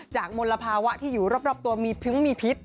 จากมนต์รภาวะที่อยู่รอบตัวมีพิษ